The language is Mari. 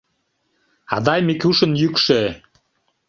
Адай Микушын йӱкшӧ.